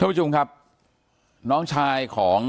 แม้นายเชิงชายผู้ตายบอกกับเราว่าเหตุการณ์ในครั้งนั้น